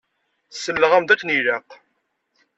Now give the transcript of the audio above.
Selleɣ-am-d akken ilaq.